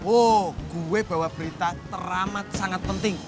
oh gue bawa berita teramat sangat penting